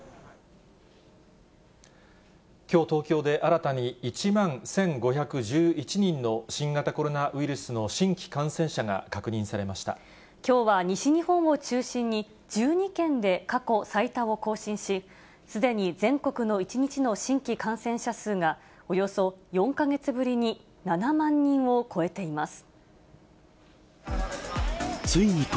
きょう、東京で新たに１万１５１１人の新型コロナウイルスの新規感染者がきょうは西日本を中心に、１２県で過去最多を更新し、すでに全国の１日の新規感染者数がおよそ４か月ぶりに７万人を超えています。